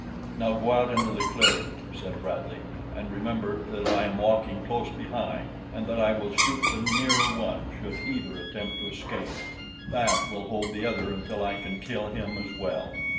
"Now go out into the clearing," said Bradley, "and remember that I am walking close behind and that I will shoot the nearer one should either attempt to escape that will hold the other until I can kill him as well."